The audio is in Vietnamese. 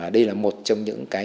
đây là một trong những cái